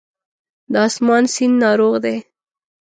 د آسمان سیند ناروغ دی